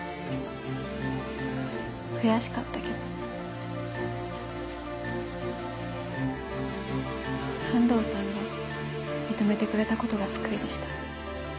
悔しかったけど安藤さんが認めてくれた事が救いでした。